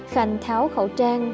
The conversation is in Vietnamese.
khanh tháo khẩu trang